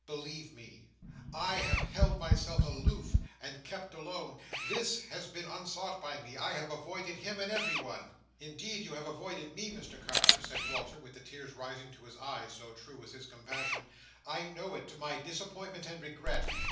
"Believe me, I have held myself aloof, and kept alone. This has been unsought by me. I have avoided him and everyone. "Indeed, you have avoided me, Mr Carker," said Walter, with the tears rising to his eyes; so true was his compassion. "I know it, to my disappointment and regret.